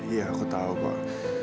iya aku tahu pak